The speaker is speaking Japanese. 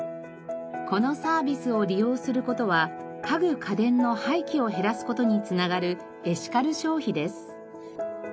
このサービスを利用する事は家具・家電の廃棄を減らす事につながるエシカル消費です。